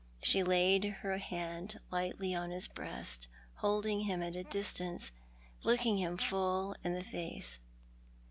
Slie laid her hand lightly on his breast, holding him at a distance, looking him full in the face.